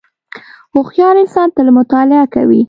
• هوښیار انسان تل مطالعه کوي.